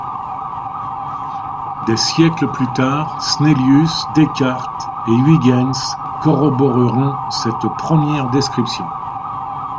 Des siècles plus tard, Snellius, Descartes et Huygens corroboreront cette première description.